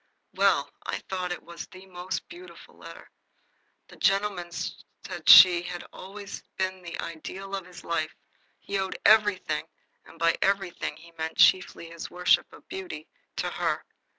Well, I thought it was a most beautiful letter. The gentleman said she had always been the ideal of his life. He owed everything and by everything he meant chiefly his worship of beauty to her.